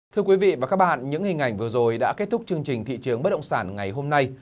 thưa quý vị và các bạn những hình ảnh vừa rồi đã kết thúc chương trình thị trường bất động sản ngày hôm nay